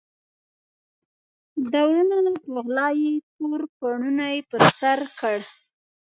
د وروڼو په غلا یې تور پوړنی پر سر کړ.